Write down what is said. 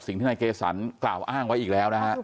สิ่งที่นายเกสันกล่าวอ้างไว้อีกแล้วนะฮะ